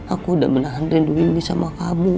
aku udah menahan rindu ini sama kamu